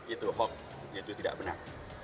itu hoax itu tidak benar